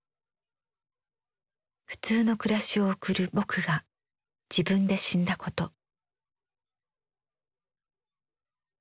普通の暮らしを送る「ぼく」が自分で死んだこと。